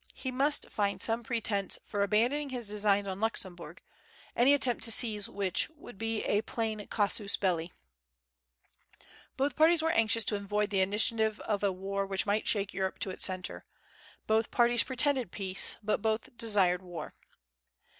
He must find some pretence for abandoning his designs on Luxemburg, any attempt to seize which would be a plain casus belli. Both parties were anxious to avoid the initiative of a war which might shake Europe to its centre. Both parties pretended peace; but both desired war.